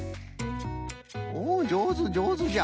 おおじょうずじょうずじゃ！